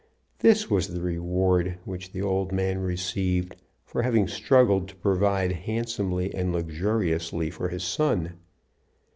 This was the reward which the old man received for having struggled to provide handsomely and luxuriously for his son!